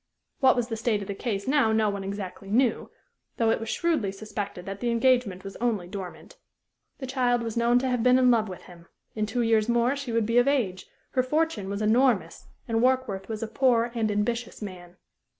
What was the state of the case now no one exactly knew; though it was shrewdly suspected that the engagement was only dormant. The child was known to have been in love with him; in two years more she would be of age; her fortune was enormous, and Warkworth was a poor and ambitious man.